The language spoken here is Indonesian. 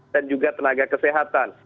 dan juga tenaga kesehatan